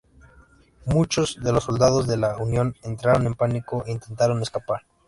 Muchos de los soldados de la Unión entraron en pánico e intentaron escapar.